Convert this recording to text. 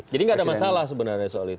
jadi nggak ada masalah sebenarnya soal itu